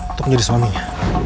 untuk menjadi suaminya